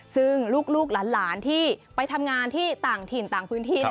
ซึ่งลูกหลานที่ไปทำงานที่ต่างถิ่นต่างพื้นที่